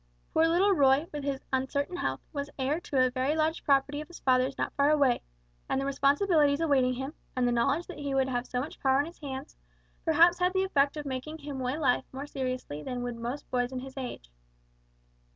Poor little Roy, with his uncertain health, was heir to a very large property of his father's not far away; and the responsibilities awaiting him, and the knowledge that he would have so much power in his hands, perhaps had the effect of making him weigh life more seriously than would most boys of his age.